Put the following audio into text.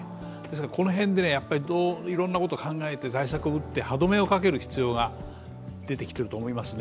この辺でいろんなことを考えて対策を打って歯止めをかける必要が出てきていると思いますね。